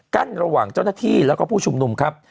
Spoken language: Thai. กั้นระหว่างเจ้าหน้าที่แล้วก็ผู้ชุมนุมครับ